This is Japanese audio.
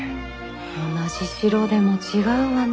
同じ白でも違うわね。